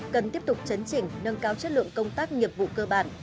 cần tiếp tục chấn chỉnh nâng cao chất lượng công tác nghiệp vụ cơ bản